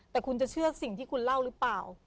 แต่คุณจะเชื่อสิ่งที่คุณเล่าหรือเปล่า